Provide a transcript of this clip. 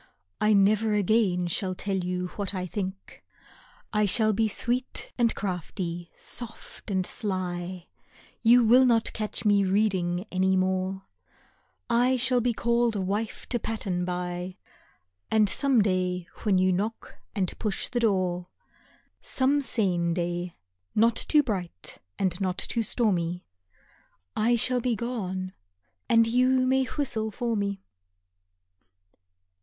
I never again shall tell you what I think. I shall be sweet and crafty, soft and sly; You will not catch me reading any more; I shall be called a wife to pattern by; And some day when you knock and push the door, Some sane day, not too bright and not too stormy, I shall be gone, and you may whistle for me.